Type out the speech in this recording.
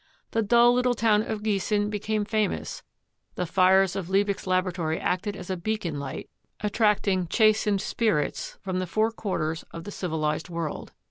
The dull little town of Giessen became famous; the fires of Liebig's laboratory acted as a beacon light, attracting chastened spirits from the four quarters of the civilized world.